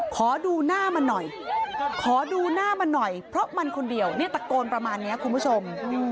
ขอดูหน้ามันหน่อยขอดูหน้ามันหน่อยเพราะมันคนเดียวเนี่ยตะโกนประมาณนี้คุณผู้ชม